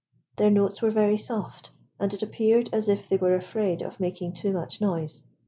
Their notes were very soft, and it appeared as if they were afraid of making too much noise.